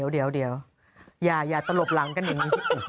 เดี๋ยวอย่าตลบหลังกันอีกนิดนึง